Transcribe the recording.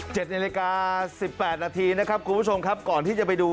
เจ็ดในรายการ๑๘นาทีนะครับกูชมครับก่อนที่จะไปดู